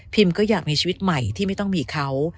ก็อยากมีชีวิตใหม่ที่ไม่ต้องมีเขา